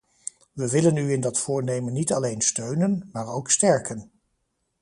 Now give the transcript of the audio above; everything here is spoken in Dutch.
Wij willen u in dat voornemen niet alleen steunen, maar u ook sterken.